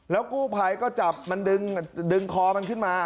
แล้วกู้ไพรก็จับมันดึงคอมันขึ้นมา